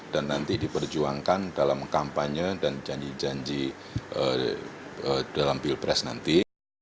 dan nanti diperjuangkan dalam kampanye dan janji janji dalam pilpres nanti